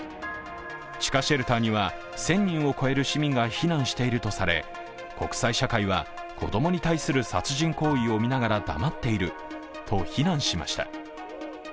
地下シェルターには、１０００人を超える市民が避難しているとされ国際社会は子供に対する殺人行為を見ながら黙っていると避難しました。